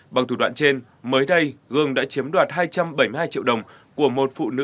bằng thủ đoạn trên mới đây gương đã chiếm đoạt hai trăm bảy mươi hai triệu đồng của một phụ nữ